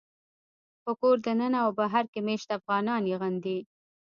په کور دننه او بهر کې مېشت افغانان یې غندي